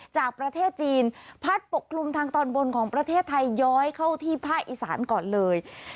จากประเทศจีนพัดปกคลุมทางตอนบนของประเทศไทยย้อยเข้าที่ภาคอีสานก่อนเลย